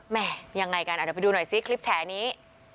ยังไงกันเดี๋ยวไปดูหน่อยซิคลิปแฉนี้